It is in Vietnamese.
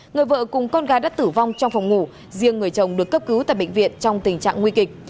người vợ cùng con gái đã tử vong trong phòng ngủ riêng người chồng được cấp cứu tại bệnh viện trong tình trạng nguy kịch